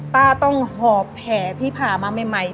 ป้าต้องหอบแผลที่ผ่ามาใหม่